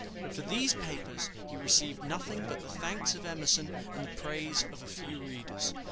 For these papers he received nothing but the thanks of Emerson and the praise of a few readers.